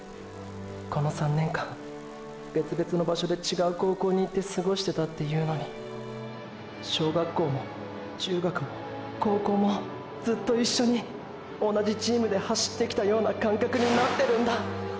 この３年間別々の場所でちがう高校にいってすごしてたっていうのに小学校も中学も高校もずっと一緒に同じチームで走ってきたような感覚になってるんだ！！